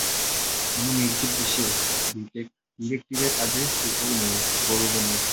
এমন নির্জীব দেশে ডিটেকটিভের কাজে সুখও নাই, গৌরবও নাই।